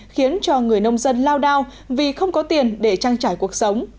khiến cho người nông dân lao đao vì không có tiền để trang trải cuộc sống